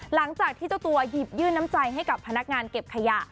หลังจากที่เจ้าตัวหยิบยื่นน้ำใจให้กับพนักงานเก็บขยะ